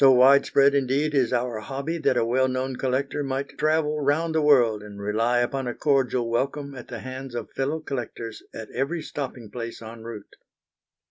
So widespread indeed is our hobby that a well known collector might travel round the world and rely upon a cordial welcome at the hands of fellow collectors at every stopping place en route.